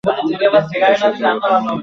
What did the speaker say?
এই সরকারের পতন হওয়া জরুরি।